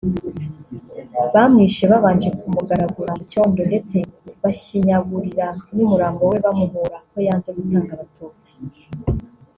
Bamwishe babanje kumugaragura mu cyondo ndetse bashinyagurira n’umurambo we bamuhora ko yanze gutanga abatutsi ngo bicwe